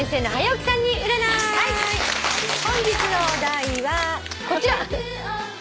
本日のお題はこちら。